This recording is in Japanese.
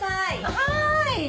・はい！